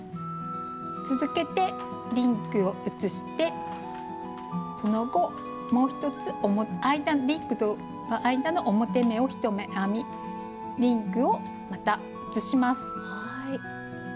続けてリングを移してその後間の表目を１目編みリングをまた移します。